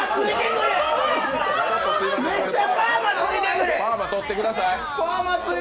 パーマ取ってください。